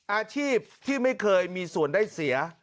อาชีพที่ไม่เคยมีส่วนได้เสีย